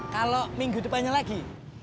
kalau minggu depannya lagi